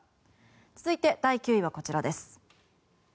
続いて第９位はこちらです。